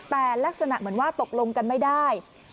แต่ลักษณะเหมือนว่าตกลงกันไม่ได้